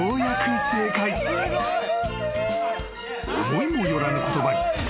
［思いも寄らぬ言葉に］